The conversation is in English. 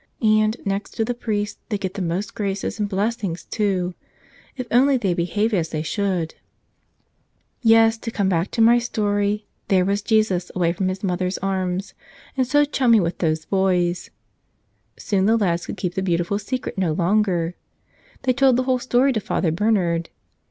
And, next to the priest, they get the most graces and blessings, too, if only they behave as they should ! Yes; to come back to my story, there was Jesus away from His Mother's arms and so chummy with those boys. Soon the lads could keep the beautiful secret no longer. They told the whole story to Father Bernard.